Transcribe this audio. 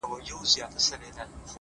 صادق چلند د اعتماد کلا جوړوي،